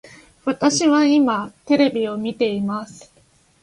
私は今テレビを見ています